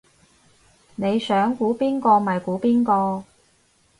你想估邊個咪估邊個